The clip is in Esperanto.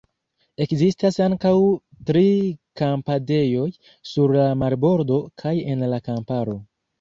Ekzistas ankaŭ tri kampadejoj – sur la marbordo kaj en la kamparo.